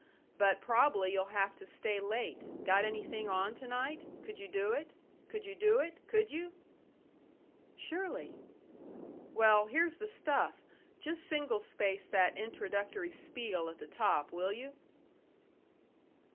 But prob'ly you'd have to stay late. Got anything on to night? Could you do it? Could you do it? Could you?" "Surely." "Well, here's the stuff. Just single space that introductory spiel at the top, will you?"